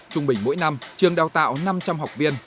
trung bình mỗi năm trường đào tạo năm trăm linh học viên